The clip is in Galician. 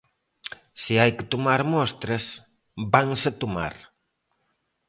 Se hai que tomar mostras, vanse tomar.